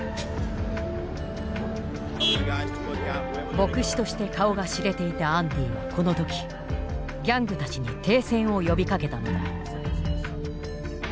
牧師として顔が知れていたアンディはこの時ギャングたちに停戦を呼びかけたのだ。